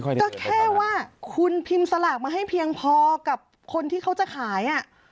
ก็แค่ว่าคุณพิมพ์สลากมาให้เพียงพอกับคนที่เขาจะขาย